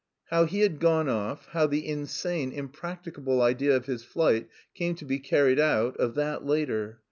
How he had gone off, how the insane, impracticable idea of his flight came to be carried out, of that later.